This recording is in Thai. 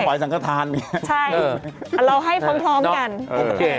ขอให้สังขทานมั้ยครับใช่เราให้พร้อมกันโอเค